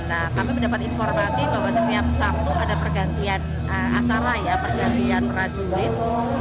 nah kami mendapat informasi bahwa setiap sabtu ada pergantian acara ya pergantian prajurit